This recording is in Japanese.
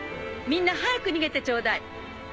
みんな早く逃げてちょうだい。